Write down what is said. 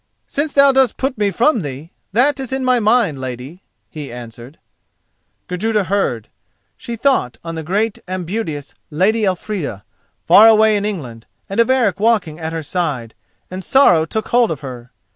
"Since thou dost put me from thee, that is in my mind, lady," he answered. Gudruda heard. She thought on the great and beauteous Lady Elfrida, far away in England, and of Eric walking at her side, and sorrow took hold of her.